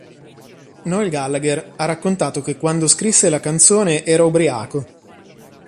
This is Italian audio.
Noel Gallagher ha raccontato che quando scrisse la canzone era ubriaco.